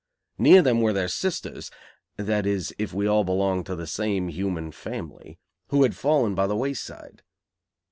Near them were their sisters (that is, if we all belong to the same human family), who had fallen by the wayside.